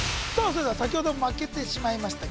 それでは先ほど負けてしまいました